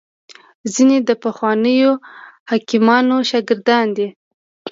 ځیني د پخوانیو حکیمانو شاګردان دي